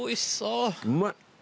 うまい！